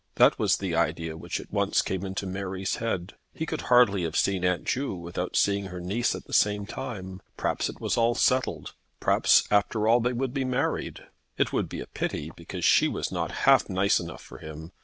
That was the idea which at once came into Mary's head. He could hardly have seen Aunt Ju without seeing her niece at the same time. Perhaps it was all settled. Perhaps, after all, they would be married. It would be a pity, because she was not half nice enough for him.